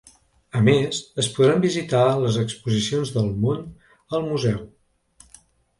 A més, es podran visitar les exposicions Del món al museu.